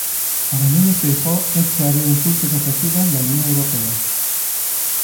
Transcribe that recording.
Para Núñez Feijóo é chave o impulso das axudas da Unión Europea.